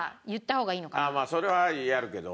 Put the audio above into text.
それはやるけど。